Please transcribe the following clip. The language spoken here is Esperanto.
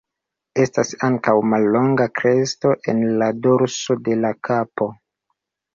Estas ankaŭ mallonga kresto en la dorso de la kapo.